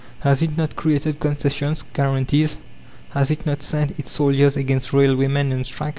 Has it not created concessions, guarantees? Has it not sent its soldiers against railwaymen on strike?